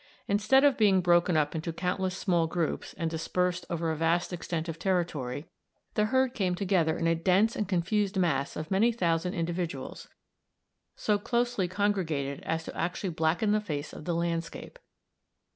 Instead of being broken up into countless small groups and dispersed over a vast extent of territory, the herd came together in a dense and confused mass of many thousand individuals, so closely congregated as to actually blacken the face of the landscape.